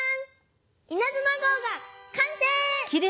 イナズマ号がかんせい！